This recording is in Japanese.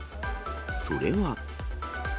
それは。